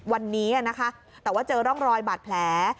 วันนี้นะคะแต่ว่าเจอร่องรอยบาดแผล